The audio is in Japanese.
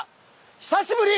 久しぶり！